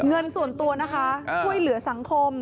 เงินส่วนตัวนะคะช่วยเหลือสังคม